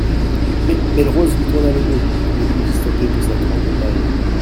Mais Belle-Rose lui tourna le dos, il ne put distinguer que sa grande taille.